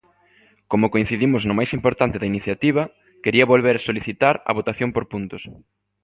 Como coincidimos no máis importante da iniciativa, quería volver solicitar a votación por puntos.